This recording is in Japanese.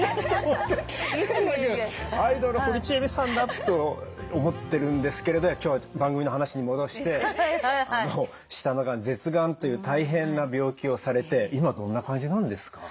アイドル堀ちえみさんだと思ってるんですけれど今日は番組の話に戻して舌のがん舌がんという大変な病気をされて今どんな感じなんですか？